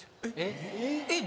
えっ？